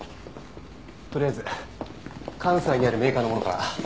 とりあえず関西にあるメーカーのものから。